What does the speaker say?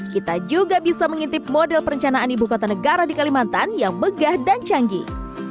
kita juga bisa mengintip model perencanaan ibu kota negara di kalimantan yang megah dan canggih